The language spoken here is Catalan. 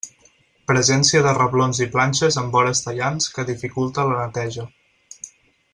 Presència de reblons i planxes amb vores tallants que dificulten la neteja.